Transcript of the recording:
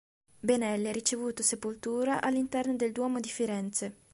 Benelli ha ricevuto sepoltura all'interno del Duomo di Firenze.